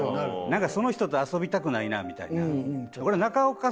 なんかその人と遊びたくないなみたいな。